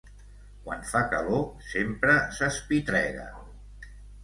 Quan fa calor, sempre s'espitrega.